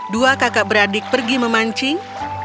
dua kakak beradik pergi memancing